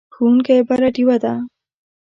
ښوونکی بله ډیوه ده.